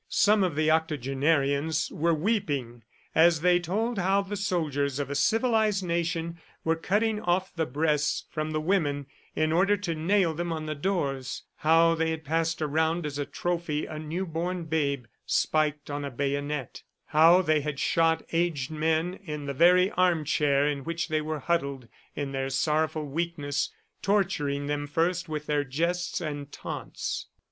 ... Some of the octogenarians were weeping as they told how the soldiers of a civilized nation were cutting off the breasts from the women in order to nail them to the doors, how they had passed around as a trophy a new born babe spiked on a bayonet, how they had shot aged men in the very armchair in which they were huddled in their sorrowful weakness, torturing them first with their jests and taunts.